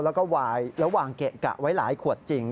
แล้วก็วายแล้ววางเกะกะไว้หลายขวดจริง